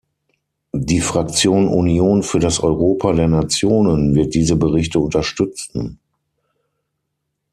Die Fraktion Union für das Europa der Nationen wird diese Berichte unterstützen.